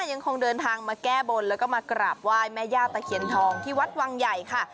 ยังคงเดินทางมาแก้บนแล้วก็มากราบไหว้แม่ย่าตะเคียนทองที่วัดวังใหญ่ค่ะ